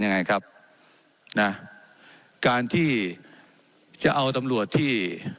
เจ้าหน้าที่ของรัฐมันก็เป็นผู้ใต้มิชชาท่านนมตรี